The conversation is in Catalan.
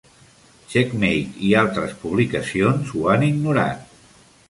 Checkmate i altres publicacions ho han ignorat.